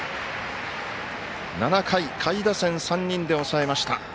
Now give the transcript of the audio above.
７回、下位打線３人で抑えました。